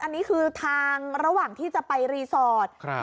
อันนี้คือทางระหว่างที่จะไปรีสอร์ท